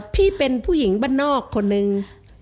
พี่เป็นผู้หญิงบ้านนอกคนนึง